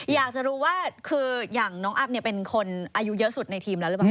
อยากจะรู้ว่าคืออย่างน้องอัพเป็นคนอายุเยอะสุดในทีมแล้วหรือเปล่า